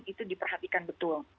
itu diperhatikan betul